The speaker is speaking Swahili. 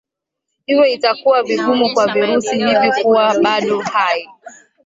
Hivyo itakuwa vigumu kwa virusi hivyo kuwa bado hai